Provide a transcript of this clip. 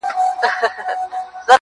يو خوا يې توره سي تياره ښكاريږي_